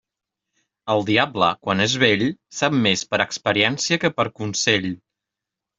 El diable, quan és vell, sap més per experiència que per consell.